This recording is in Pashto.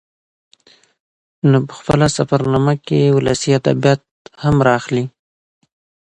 نو په خپله سفر نامه کې يې ولسي ادبيات هم راخلي